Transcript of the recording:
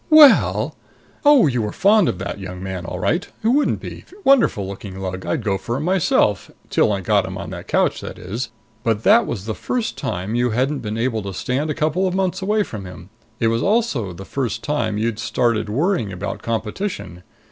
"Well!" "Oh, you were fond of that young man, all right. Who wouldn't be? Wonderful looking lug. I'd go for him myself till I got him on that couch, that is. But that was the first time you hadn't been able to stand a couple of months away from him. It was also the first time you'd started worrying about competition.